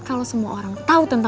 gue tuh belum siap banget